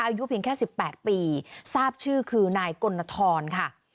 อายุเพียงแค่๑๘ปีทราบชื่อคือนายกลนทรค่ะ